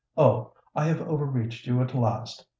Oh! I have overreached you at last!